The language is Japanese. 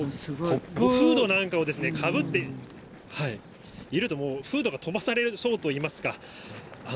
フードなんかをかぶっているともう、フードが飛ばされそうといいますか。